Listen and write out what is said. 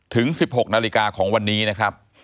ถึง๑๖นาฬิกาของวันนี้นะครับ